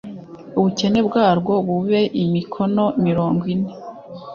ubukene bwarwo bube imikono mirongo ine